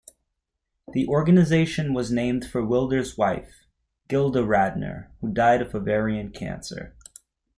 The organization was named for Wilder's wife, Gilda Radner, who died of ovarian cancer.